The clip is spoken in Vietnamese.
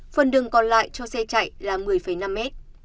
phân đường còn lại cho xe chạy là một mươi năm m